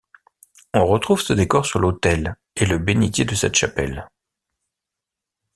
On retrouve ce décor sur l'autel et le bénitier de cette chapelle.